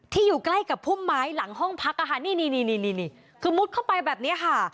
อยู่ใกล้กับพุ่มไม้หลังห้องพักนี่คือมุดเข้าไปแบบนี้ค่ะ